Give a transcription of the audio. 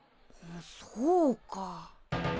そうか。